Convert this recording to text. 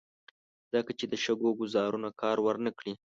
ځکه یې د شګو ګوزارونو کار ور نه کړ.